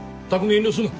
遠慮すんな。